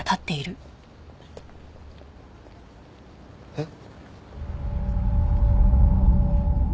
えっ。